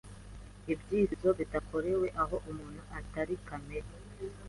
ibyifuzo bidakorewe Aho umuntu atari kamere